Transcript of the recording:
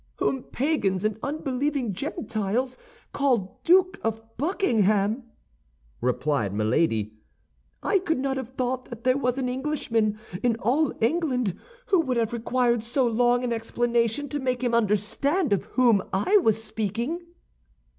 "Whom Pagans and unbelieving Gentiles call Duke of Buckingham," replied Milady. "I could not have thought that there was an Englishman in all England who would have required so long an explanation to make him understand of whom I was speaking."